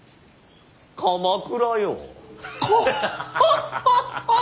鎌倉よ。